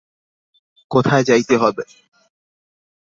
কোথায় যাইতে হইবে?